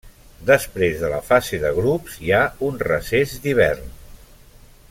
Després de la fase de grups hi ha un recés d'hivern.